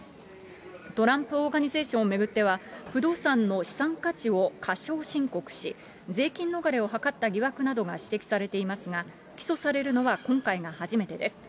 トランプ・オーガニゼーションを巡っては不動産の資産価値を過少申告し、税金逃れを図った疑惑などが指摘されていますが、起訴されるのは今回が初めてです。